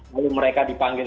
lalu mereka dipanggil